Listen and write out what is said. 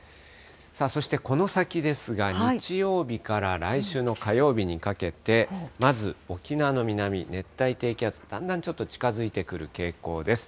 さあ、そしてこの先ですが、日曜日から来週の火曜日にかけて、まず沖縄の南、熱帯低気圧、だんだんちょっと近づいてくる傾向です。